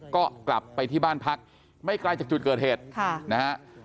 ก็กลับไปที่บ้านพักไม่ไกลจากจุดเกิดเหตุค่ะนะฮะ